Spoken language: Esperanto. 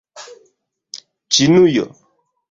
ĉinujo